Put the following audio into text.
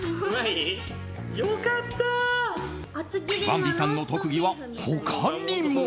ヴァンビさんの特技は他にも。